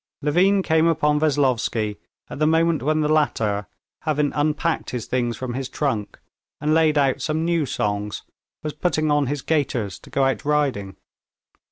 Levin came upon Veslovsky at the moment when the latter, having unpacked his things from his trunk, and laid out some new songs, was putting on his gaiters to go out riding.